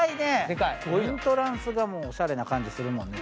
エントランスがおしゃれな感じするもんね。